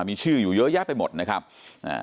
มีชื่ออยู่เยอะแยะไปหมดนะครับอ่า